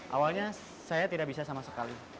awalnya saya tidak bisa sama sekali